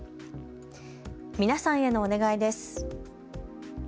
皆さんへのお願いです。